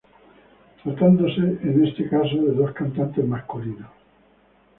Tratándose en este caso de dos cantantes masculinos.